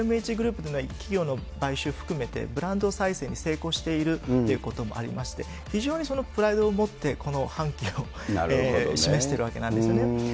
だからグループというのは、企業の買収含めて、ブランド再生に成功しているということもありまして、非常にプライドを持ってこの反旗を示してるわけなんですよね。